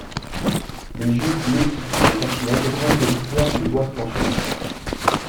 Les joutes nautiques font partie intégrante de l'histoire de Boisse-Penchot.